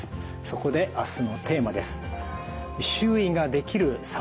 そこで明日のテーマです。